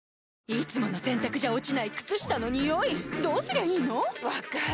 いつもの洗たくじゃ落ちない靴下のニオイどうすりゃいいの⁉分かる。